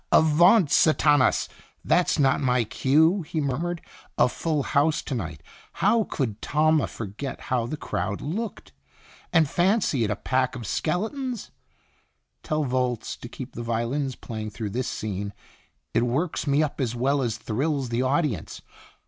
"Avaunt Sathanas! That's not my cue," he muttered. "A full house to night. How could Talma forget how the crowd looked, and fancy it a pack of skeletons? Tell Volz to keep the violins playing through this scene, it works me up as well as thrills the audience.